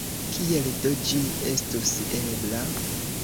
Kiel do ĝi estus ebla?